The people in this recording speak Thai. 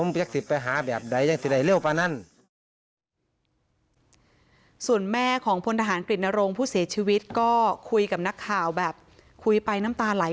พ่อแม่ต้องไปกราบขอโทษ